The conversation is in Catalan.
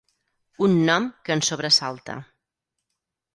Un nom que ens sobresalta.